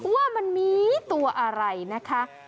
ว่ามันมีตัวอะไรนะคะ